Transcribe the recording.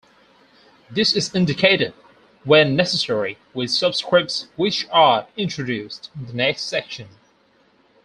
This is indicated, when necessary, with subscripts, which are introduced in the next section.